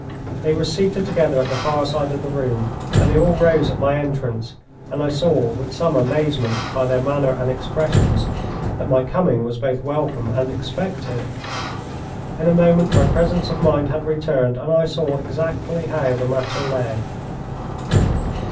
They were seated together at the far side of the room, but they all rose at my entrance, and I saw with some amazement, by their manner and expressions, that my coming was both welcome and expected. In a moment my presence of mind had returned, and I saw exactly how the matter lay.